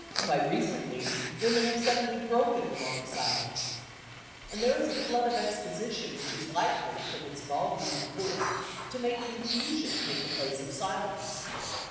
Quite recently women have suddenly broken the long silence, and there is a flood of exposition which is likely, from its volume and force, to make confusion take the place of silence.